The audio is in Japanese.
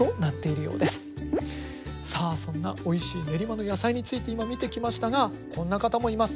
さあそんなおいしい練馬の野菜について今見てきましたがこんな方もいます。